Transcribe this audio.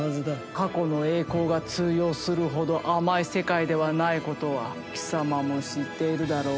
過去の栄光が通用するほど甘い世界ではないことは貴様も知っているだろう？